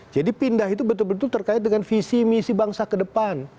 jadi pindah itu betul betul terkait dengan visi misi bangsa ke depan